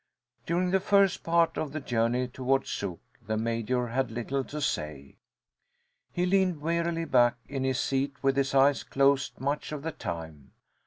During the first part of the journey toward Zug, the Major had little to say. He leaned wearily back in his seat with his eyes closed much of the time.